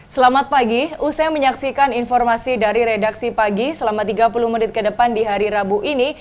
selamat pagi usai menyaksikan informasi dari redaksi pagi selama tiga puluh menit ke depan di hari rabu ini